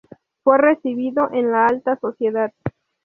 Fue recibido en la alta sociedad.